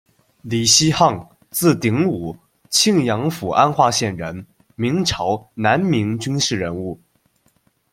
李希沆，字鼎武，庆阳府安化县人，明朝、南明军事人物。